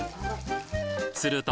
すると！